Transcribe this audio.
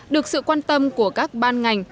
được sự quan tâm của các ban ngành